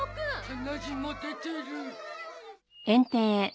鼻血も出てる。